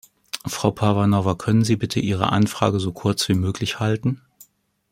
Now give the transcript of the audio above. Frau Parvanova, können Sie bitte Ihre Anfrage so kurz wie möglich halten?